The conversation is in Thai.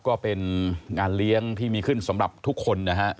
ก็เป็นงานเลี้ยงที่มีขึ้นสำหรับทุกคนนะฮะ